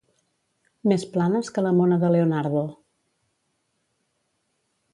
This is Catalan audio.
Més planes que la mona de Leonardo.